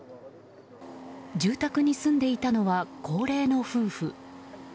住宅に住んでいたのは高齢の夫婦。